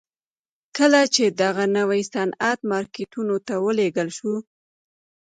کله چې دغه نوی صنعت مارکیټونو ته ولېږل شو